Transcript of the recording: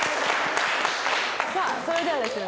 さあそれではですね